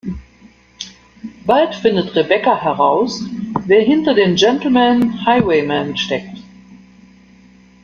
Bald findet Rebecca heraus, wer hinter den Gentlemen Highwaymen steckt.